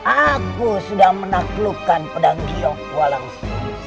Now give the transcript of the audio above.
aku sudah menaklukkan pedang tiong kualang susa